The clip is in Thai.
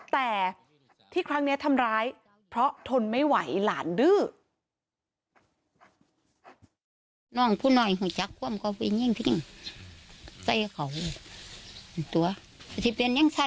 แต่ที่ครั้งนี้ทำร้ายเพราะทนไม่ไหวหลานดื้อ